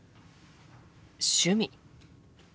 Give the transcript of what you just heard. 「趣味」。